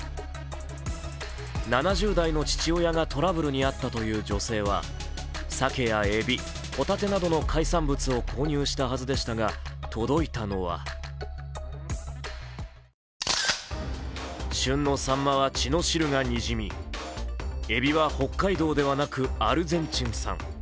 ７０代の父親がトラブルに遭ったという女性はさけやえび、ホタテなどの海産物を購入したはずでしたが、届いたのは旬のさんまは血の汁がにじみえびは北海道ではなくアルゼンチン産。